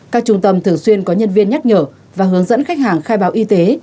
các trung tâm thường xuyên có nhân viên nhắc nhở và hướng dẫn khách hàng khai báo y tế